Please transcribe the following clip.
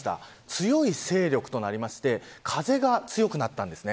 強い勢力となりまして風が強くなったんです。